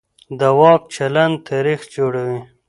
د واک چلند تاریخ جوړوي